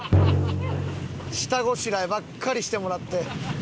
下ごしらえばっかりしてもらって。